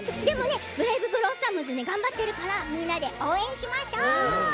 ブレイブ・ブロッサムズ頑張ってるからみんなで応援しましょう。